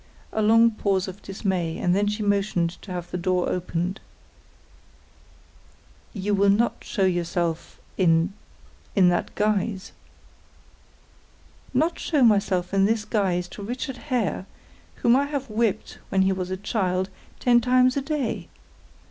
A long pause of dismay, and then she motioned to have the door opened. "You will not show yourself in in that guise?" "Not show myself in this guise to Richard Hare whom I have whipped when he was a child ten times a day!